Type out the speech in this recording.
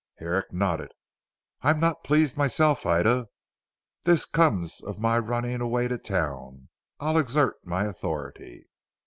Herrick nodded. "I am not pleased myself Ida. This comes of my running away to Town. I'll exert my authority."